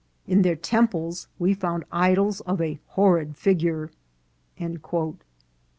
In their temples we found idols of a horrid figure."